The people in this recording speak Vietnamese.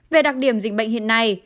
về đặc điểm dịch bệnh hiện nay